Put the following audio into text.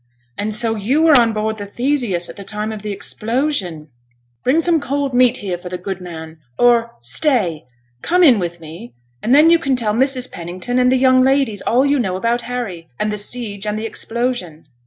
'And so you were on board the Theseus at the time of the explosion? Bring some cold meat here for the good man or stay! Come in with me, and then you can tell Mrs. Pennington and the young ladies all you know about Harry, and the siege, and the explosion.'